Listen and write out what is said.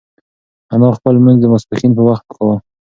انا خپل لمونځ د ماسپښین په وخت کاوه.